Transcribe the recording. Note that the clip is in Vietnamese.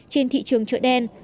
trên thị trường chợ đen